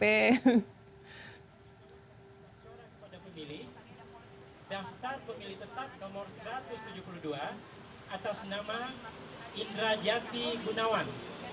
atas nama indra jati gunawan